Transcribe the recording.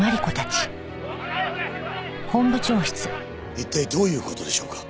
一体どういう事でしょうか？